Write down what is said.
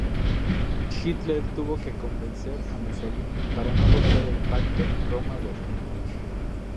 Hitler tuvo que convencer a Mussolini para no romper el Pacto Roma-Berlín.